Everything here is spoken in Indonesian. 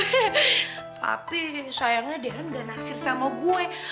tapi sayangnya dean gak naksir sama gue